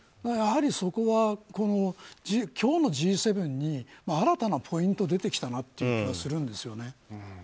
やはり、そこが今日のＧ７の新たなポイントが出てきたなという気がするんですよね。